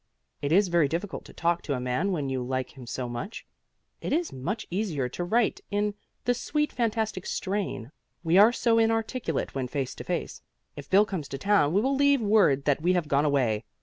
It is very difficult to talk to a man when you like him so much. It is much easier to write in the sweet fantastic strain. We are so inarticulate when face to face. If Bill comes to town we will leave word that we have gone away.